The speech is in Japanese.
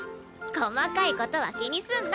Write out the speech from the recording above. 細かいことは気にすんな！